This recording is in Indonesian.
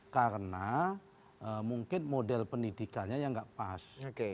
karena mungkin model pendidikannya yang gak pas